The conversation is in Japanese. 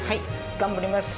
頑張ります！